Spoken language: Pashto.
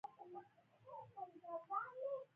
خو له خپلې بې تفاوتۍ څخه مې وساته چې ډېره بده ده.